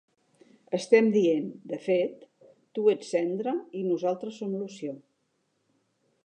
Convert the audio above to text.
Estem dient, de fet, "tu ets cendra i nosaltres som loció.